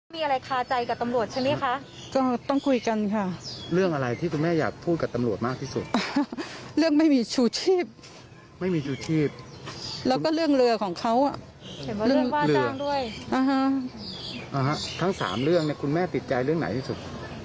ทั้ง๓เรื่องคุณแม่ติดใจเรื่องไหนยังไงที่สุด